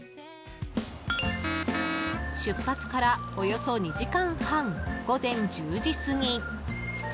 出発から、およそ２時間半午前１０時過ぎ。